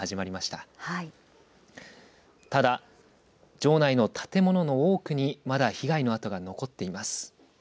ただ、城内の建物の多くにまだ被害の跡が残っています。